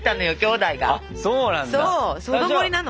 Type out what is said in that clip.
そうなんだ。